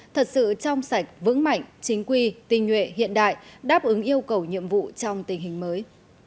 thật sự trong sạch vững mạnh chính quy tinh nhuệ hiện đại đáp ứng yêu cầu nhiệm vụ trong tình hình mới